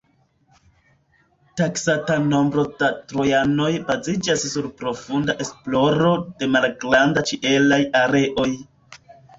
Taksata nombro da trojanoj baziĝas sur profunda esploro de malgranda ĉielaj areoj.